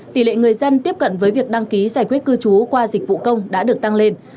tỷ lệ người dân tiếp cận với việc đăng ký giải quyết cư trú qua dịch vụ công đã được tăng lên